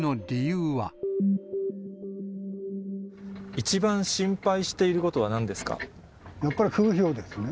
一番心配していることはなんやっぱり風評ですね。